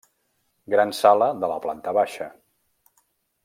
Gran sala de la planta baixa.